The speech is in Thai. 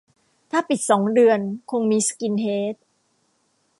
ถ้าปิดสองเดือนคงมีสกินเฮด